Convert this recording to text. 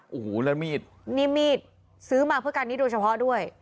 โอ้โหแล้วมีดนี่มีดซื้อมาเพื่อการนี้โดยเฉพาะด้วย